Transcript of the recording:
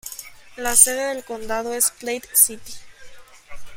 La sede del condado es Platte City.